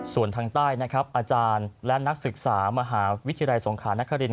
ส่วนทางใต้นะครับอาจารย์และนักศึกษามหาวิทยาลัยสงขานคริน